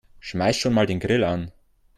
Schmeiß schon mal den Grill an.